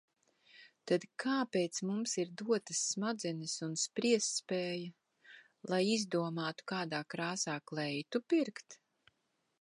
Tad kāpēc mums ir dotas smadzenes un spriestspēja? Lai izdomātu, kādā krāsā kleitu pirkt?